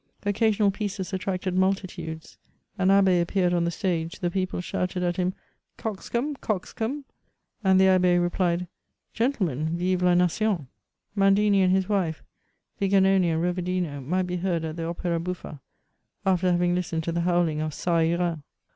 Occasional pieces attracted multitudes ; an abbe appeared on the stage, the people shouted at him, " Coxcomb ! coxcomb !" and the abb6 replied, Grentlemen, vive la nation /" Mandini and his wife, Viganoni and Rovedino might be heard at the Opera' Bujffuy after having listened to the howling of ga ira.